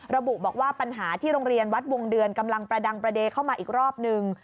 ระบุบอกว่าปัญหาที่โรงเรียนวัดวงเดือนกำลังประดังประเด็นเข้ามาอีกรอบนึง